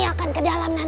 saya tidak akan